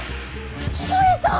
千鳥さん！